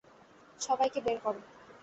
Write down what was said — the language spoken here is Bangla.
সবাইকে বের কর!